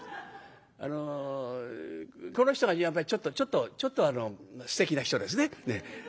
あのこの人がやっぱりちょっとすてきな人ですね。